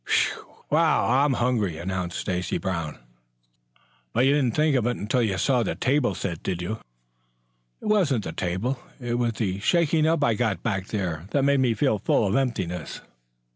"Whew! but I'm hungry!" announced Stacy Brown. "But you didn't think of it until you saw the table set, did you?" "It wasn't the table, it was the shaking up I got back there that made me feel full of emptiness."